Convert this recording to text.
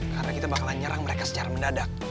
karena kita bakalan nyerang mereka secara mendadak